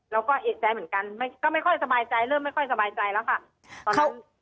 เราก็เอกใจเหมือนกันก็ไม่ค่อยสบายใจเริ่มไม่ค่อยสบายใจแล้วค่ะตอนนั้น